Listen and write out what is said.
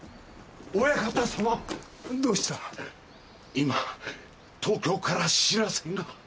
今東京から報せが。